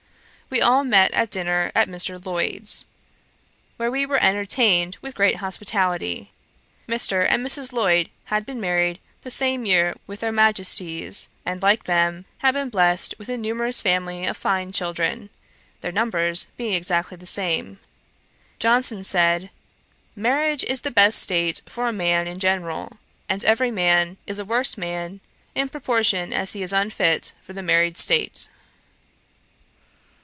We all met at dinner at Mr. Lloyd's, where we were entertained with great hospitality. Mr. and Mrs. Lloyd had been married the same year with their Majesties, and like them, had been blessed with a numerous family of fine children, their numbers being exactly the same. Johnson said, 'Marriage is the best state for a man in general; and every man is a worse man, in proportion as he is unfit for the married state.'